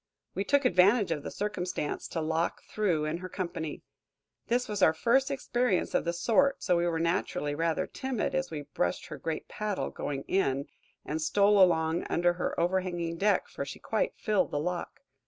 We took advantage of the circumstance to lock through in her company. This was our first experience of the sort, so we were naturally rather timid as we brushed her great paddle, going in, and stole along under her overhanging deck, for she quite filled the lock.